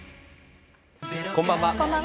こんばんは。